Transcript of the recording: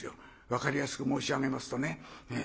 分かりやすく申し上げますとね。